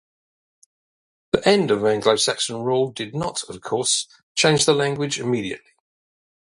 The end of Anglo-Saxon rule did not, of course, change the language immediately.